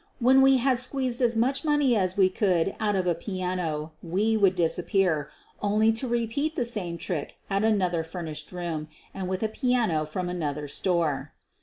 When we had squeezed as much money as we could out of a piano we would disap pear — only to repeat the same trick at another fur QUEEN OF THE BUEGLARS 117 aished room and with a piano from another store.